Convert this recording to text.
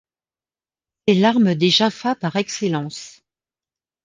C'est l'arme des Jaffas par excellence.